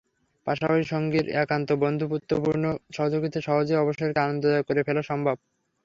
পাশাপাশি সঙ্গীর একান্ত বন্ধুত্বপূর্ণ সহযোগিতায় সহজেই অবসরকে আনন্দদায়ক করে ফেলা সম্ভব।